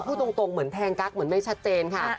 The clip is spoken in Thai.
พูดตรงเหมือนแทงกั๊กเหมือนไม่ชัดเจนค่ะ